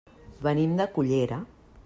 Venim de Cullera.